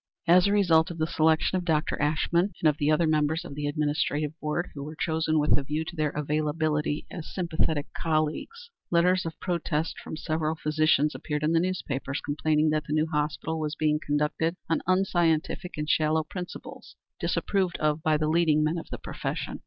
As a result of the selection of Dr. Ashmun and of the other members of the administrative board, who were chosen with a view to their availability as sympathetic colleagues, letters of protest from several physicians appeared in the newspapers complaining that the new hospital was being conducted on unscientific and shallow principles, disapproved of by the leading men of the profession.